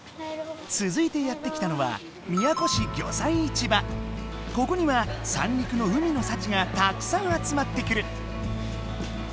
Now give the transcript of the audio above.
つづいてやって来たのはここには三陸の海の幸がたくさん集まってくる。